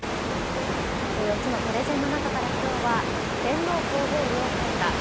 ４つのプレゼンの中から今日は天皇・皇后両陛下